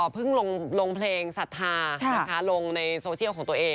พึ่งลงเพลงศรัทธาคำนำลงในโซเซียลของตัวเอง